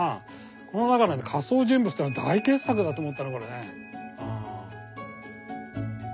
この中の「仮装人物」ってのは大傑作だと思ったなこれね。